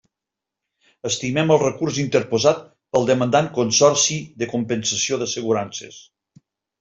Estimem el recurs interposat pel demandant Consorci de Compensació d'Assegurances.